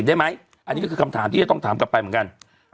ได้ไหมอันนี้ก็คือคำถามที่จะต้องถามกลับไปเหมือนกัน